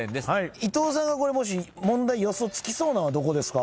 伊藤さんがこれもし問題予想つきそうなのはどこですか？